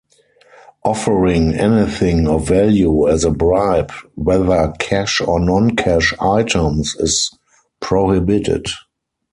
Offering anything of value as a bribe, whether cash or non-cash items, is prohibited.